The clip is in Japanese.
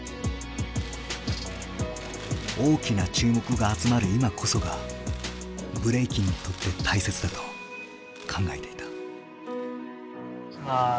大きな注目が集まる今こそがブレイキンにとって大切だと考えていた。